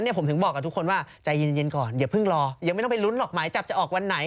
ยังไม่ต้องไปลุ้นหรอกหมายจับจะออกวันไหน